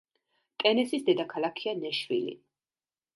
ტენესის დედაქალაქია ნეშვილი.